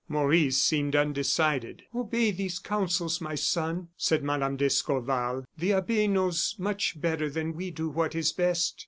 Maurice seemed undecided. "Obey these counsels, my son," said Mme. d'Escorval; "the abbe knows much better than we do what is best."